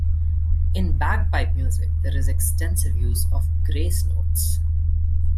In bagpipe music there is extensive use of grace notes.